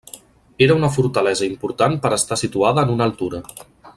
Era una fortalesa important per estar situada en una altura.